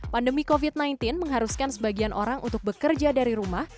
pandemi covid sembilan belas mengharuskan sebagian orang untuk bekerja dari rumah